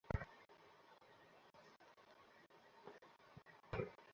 তাদের আপোষ করিয়ে দাও।